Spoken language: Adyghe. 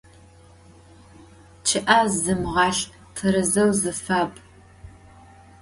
ЧъӀыэ зымгъалӀ, тэрэзэу зыфап.